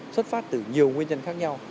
xuất phát từ nhiều nguyên nhân khác nhau